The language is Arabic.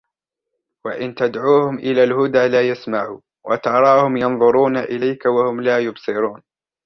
وإن تدعوهم إلى الهدى لا يسمعوا وتراهم ينظرون إليك وهم لا يبصرون